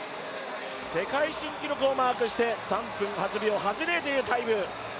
世界新記録をマークして３分８秒８０というタイム。